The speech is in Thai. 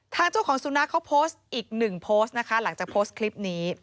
ทางเจ้าของสุนัขเขาโพสต์อีกหนึ่งโพสต์นะคะหลังจากโพสต์คลิปนี้